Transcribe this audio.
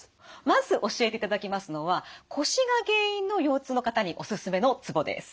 まず教えていただきますのは腰が原因の腰痛の方にオススメのツボです。